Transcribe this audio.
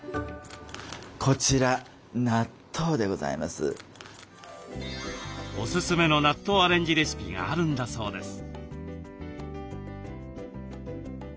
こちらおすすめの納豆アレンジレシピがあるんだそうです。